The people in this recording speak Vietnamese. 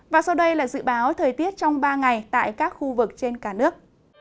và sau đây là dự báo thời tiết trong ba ngày tại các khu vực trên cả nước